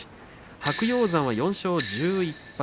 白鷹山は４勝１１敗。